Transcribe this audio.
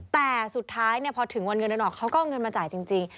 แต่สุดท้ายพอถึงวันเงินเดือนออกเขาก็เอาเงินมาจ่ายจริง